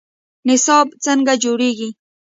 نصاب څنګه جوړیږي؟